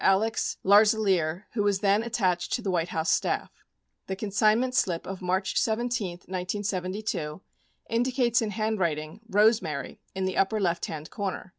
Alex Larze lere who was then attached to the White House staff. The consignment slip of March 17, 1972, indicates in handwriting "Rose Mary" in the upper left hand corner.